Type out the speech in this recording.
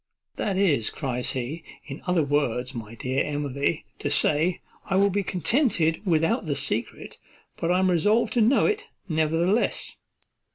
"That is," cries he, "in other words, my dear Emily, to say, I will be contented without the secret, but I am resolved to know it, nevertheless."